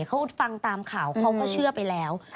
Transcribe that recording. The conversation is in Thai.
เขาฟังตามข่าวเขาก็เชื่อไปแล้ว